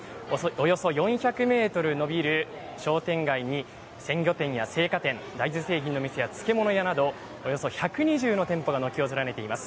およそ４００メートル延びる商店街に鮮魚店や青果店、大豆製品の店や漬物屋などおよそ１２０の店舗が軒を連ねています。